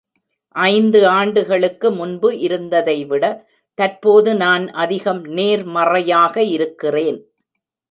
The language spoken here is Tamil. ஐந்து ஆண்டுகளுக்கு முன்பு இருந்ததை விட தற்போது நான் அதிகம் நேர்மறையாக இருக்கிறேன்.